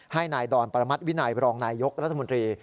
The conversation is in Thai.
ให้นายดอนประมัติวินัยบรองนายยกรัฐมนตรี